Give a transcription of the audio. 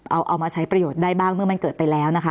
เอามาใช้ประโยชน์ได้บ้างเมื่อมันเกิดไปแล้วนะคะ